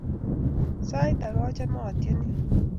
Sait ake achame atyeni